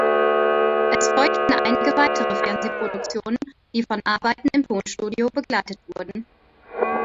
Es folgten einige weitere Fernsehproduktionen, die von Arbeiten im Tonstudio begleitet wurden.